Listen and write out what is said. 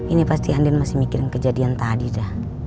ini pasti andin masih mikirin kejadian tadi dah